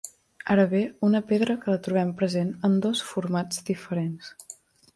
Ara bé una pedra que la trobem present en dos formats diferents.